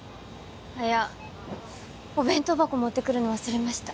いやお弁当箱持ってくるの忘れました